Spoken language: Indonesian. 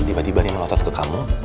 diba diba nih melotot ke kamu